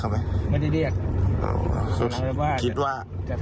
ว่าว่าจะถ่ายภาพหรือไม่ได้